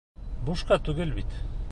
Бушҡа түгел бит.